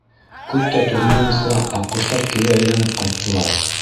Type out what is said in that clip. Күп тә тормайынса аҡҡоштар кире әйләнеп ҡайттылар.